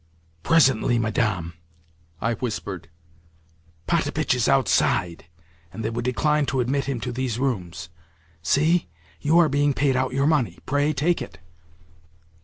"Presently, Madame," I whispered. "Potapitch is outside, and they would decline to admit him to these rooms. See! You are being paid out your money. Pray take it."